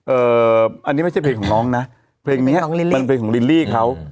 อันนี้ไม่ใช่เพลงของน้องนะเพลงนี้มันเป็นเพลงของลิลลี่เขา